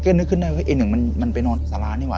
ก็นึกขึ้นได้ว่าไอ้หนึ่งมันไปนอนสารานี่ว่